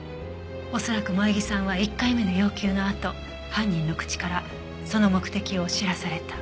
恐らく萌衣さんは１回目の要求のあと犯人の口からその目的を知らされた。